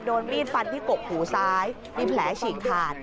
โดนมีดฟันที่กกหูซ้ายมีแผลฉีกขาด